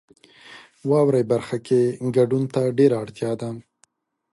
واورئ برخه کې ګډون ته ډیره اړتیا ده.